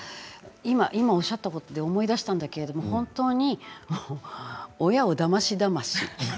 今おっしゃったことで思い出したんだけれど、本当に親を、だましだまし。